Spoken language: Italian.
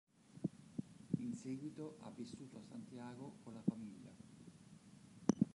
In seguito ha vissuto a Santiago con la famiglia.